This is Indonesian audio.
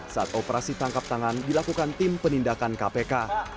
saat operasi tangkap tangan dilakukan tim penindakan kpk